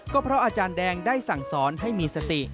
ก็เพราะอาจารย์แดงได้สั่งสอนให้มีสติ